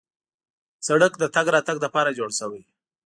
سړک د تګ راتګ لپاره جوړ شوی.